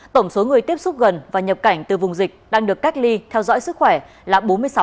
tổng số người tiếp xúc gần và nhập cảnh từ vùng dịch đang được cách ly theo dõi sức khỏe là bốn mươi sáu chín trăm ba mươi ba